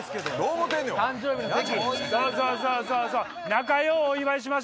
仲良うお祝いしましょ。